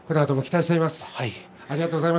このあとも期待してます。